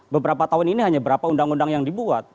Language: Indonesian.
beberapa tahun ini hanya berapa undang undang yang dibuat